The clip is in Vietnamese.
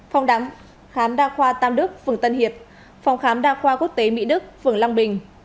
phòng khám đa khoa tam đức phường tân hiệp phòng khám đa khoa quốc tế mỹ đức phường long bình